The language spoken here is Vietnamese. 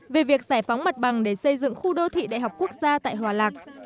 về việc giải phóng mặt bằng để xây dựng khu đô thị đại học quốc gia tại hòa lạc